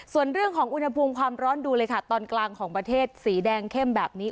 ส่วนเรื่องของอุณหภูมิความร้อนดูเลยค่ะตอนกลางของประเทศสีแดงเข้มแบบนี้